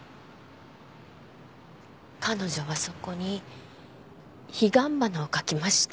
彼女はそこに彼岸花を描きました。